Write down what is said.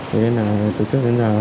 thế nên là từ trước đến giờ